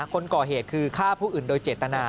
คนก่อเหตุคือฆ่าผู้อื่นโดยเจตนา